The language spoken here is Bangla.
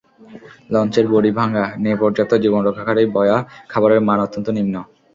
লঞ্চের বডি ভাঙা, নেই পর্যাপ্ত জীবনরক্ষাকারী বয়া, খাবারের মান অত্যন্ত নিম্ন।